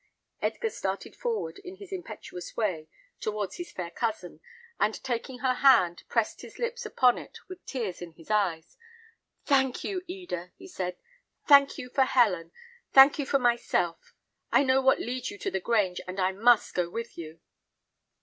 Edgar started forward, in his impetuous way, towards his fair cousin, and taking her hand, pressed his lips upon it with tears in his eyes. "Thank you, Eda," he said; "thank you for Helen, thank you for myself. I know what leads you to the Grange, and I must go with you."